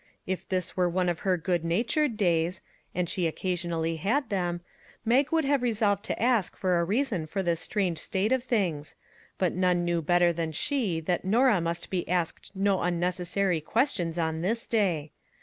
If this were one of her good na tured days and she occasionally had them Mag would have resolved to ask for a reason for this strange state of things ; but none knew better than she that Norah must be asked no unnecessary questions on this day.